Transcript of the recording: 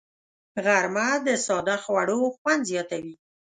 غرمه د ساده خوړو خوند زیاتوي